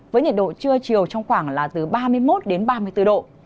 với nhiệt độ trưa chiều trong khoảng là từ ba mươi một đến ba mươi bốn độ